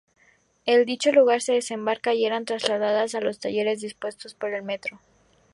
En dicho lugar se desembarcaban y eran trasladadas a los talleres dispuestos por metro.